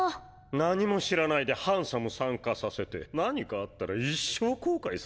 何も知らないでハンサム参加させて何かあったら一生後悔するとこだったわ。